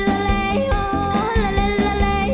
มาหลอกรักชักจุงแล้วทำให้เค้ง